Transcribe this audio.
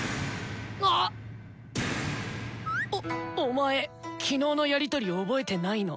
あ⁉おっお前昨日のやり取り覚えてないの？